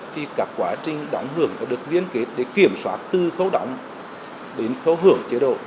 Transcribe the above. thì các quá trình đóng hưởng đã được liên kết để kiểm soát từ khấu đóng đến khấu hưởng chế độ